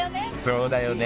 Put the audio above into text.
そうだよね！